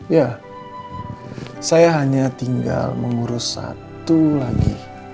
ya saya hanya tinggal mengurus satu lagi